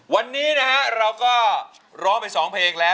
วันนี้นะฮะเราก็ร้องไป๒เพลงแล้ว